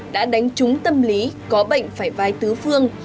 đã đánh trúng tâm lý có bệnh phải vai tứ phương